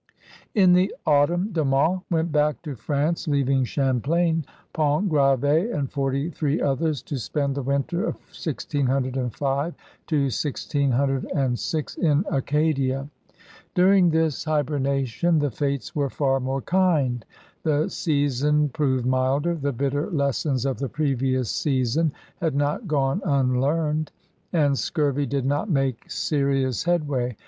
In the autumn De Monts went back to France, leaving Champlain, Pontgrav^, and forty three others to spend the winter of 1605 1606 in Acadia. During this hibernation the fates were far more kind. The season proved milder, the bitter lessons of the previous season had not gone unlearned, and scurvy did not make serious headway.